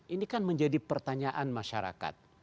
ini kan menjadi pertanyaan masyarakat